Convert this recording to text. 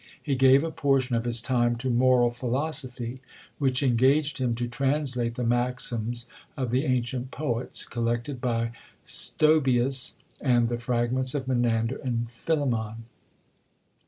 He gave a portion of his time to moral philosophy, which engaged him to translate the maxims of the ancient poets, collected by Stobæus, and the fragments of Menander and Philemon.